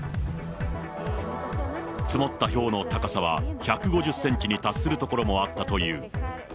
積もったひょうの高さは１５０センチに達する所もあったという。